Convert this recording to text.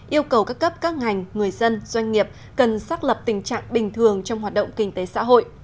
yêu cầu các cấp các ngành người dân doanh nghiệp cần xác lập tình trạng bình thường trong hoạt động kinh tế xã hội